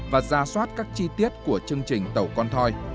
và ra soát các chi tiết của chương trình tàu con thoi